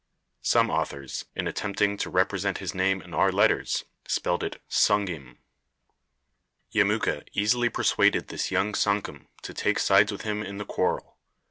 Some authors, in attempting to represent his name in our letters, spelled it Sunghim. Yemuka easily persuaded this young Sankum to take sides with him in the quarrel.